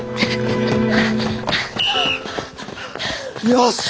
よし！